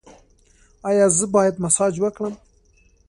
ایا زه باید مساج وکړم؟